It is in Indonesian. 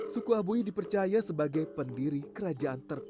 suku abui dipercaya sebagai pendiri kerajaan tertentu